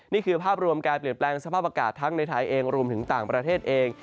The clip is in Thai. นี่คือภาพรวมการเปลี่ยนแปลงสภาพอากาศทั้งในไทยเองรวมถึงต่างประเทศเอง